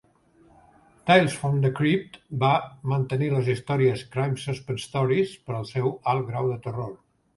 "Tales from the Crypt" va mantenir les històries "Crime SuspenStories" pel seu alt grau de terror.